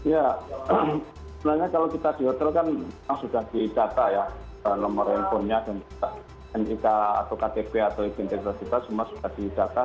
ya sebenarnya kalau kita di hotel kan sudah didata ya nomor handphonenya dan nik atau ktp atau identitas kita semua sudah didata